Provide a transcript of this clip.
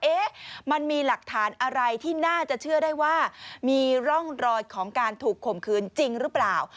เอ๊ะมันมีหลักฐานอะไรที่น่าจะเชื่อได้ว่ามีร่องรอยของการถูกข่มขืนจริงหรือเปล่า